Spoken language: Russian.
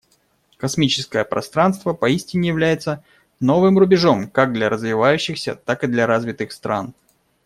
Космическое пространство поистине является новым рубежом как для развивающихся, так и для развитых стран.